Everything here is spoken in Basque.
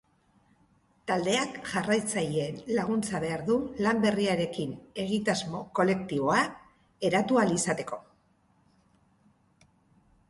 Taldeak jarraitzaileen laguntza behar du lan berriarekin egitasmo kolektiboa eratu ahal izateko.